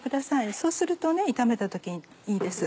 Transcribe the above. そうすると炒めた時にいいです。